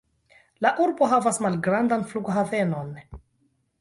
La urbo havas malgrandan flughavenon.